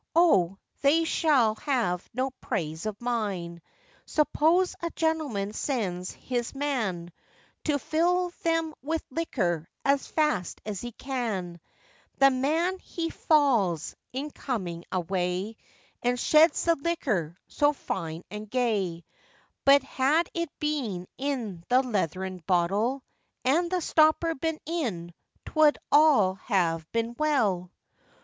Oh! they shall have no praise of mine; Suppose a gentleman sends his man To fill them with liquor, as fast as he can, The man he falls, in coming away, And sheds the liquor so fine and gay; But had it been in the leathern bottèl, And the stopper been in, 'twould all have been well!